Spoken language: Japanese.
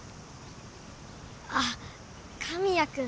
あっ神谷君。